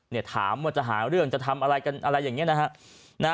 เนี่ยถามว่าจะหาเรื่องจะทำอะไรกันอะไรอย่างนี้นะฮะ